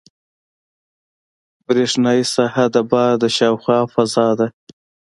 برېښنایي ساحه د بار د شاوخوا فضا ده.